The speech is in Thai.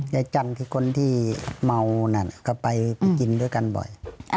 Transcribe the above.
จันทร์คือคนที่เมานั่นก็ไปกินด้วยกันบ่อย